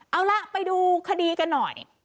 เอาล่ะไปดูคดีกันหน่อย